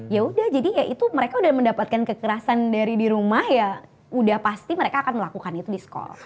ya udah jadi ya itu mereka udah mendapatkan kekerasan dari di rumah ya udah pasti mereka akan melakukan itu di sekolah